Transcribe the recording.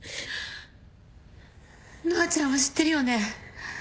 乃愛ちゃんは知ってるよね？